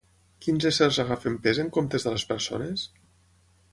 Quins éssers agafen pes en comptes de les persones?